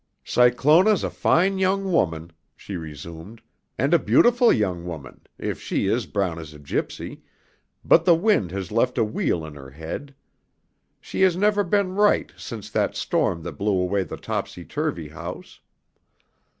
"Cyclona's a fine young woman," she resumed, "and a beautiful young woman, if she is brown as a gypsy, but the wind has left a wheel in her head. She has never been right since that storm that blew away the topsy turvy house.